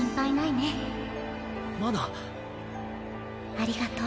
ありがとう。